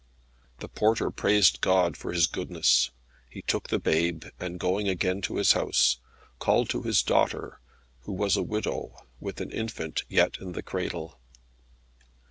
The porter praised God for His goodness; he took the babe, and going again to his house, called to his daughter, who was a widow, with an infant yet in the cradle.